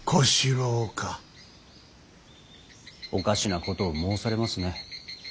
おかしなことを申されますね。